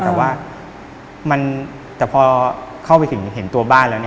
แต่พอเข้าไปถึงเห็นตัวบ้านแล้ว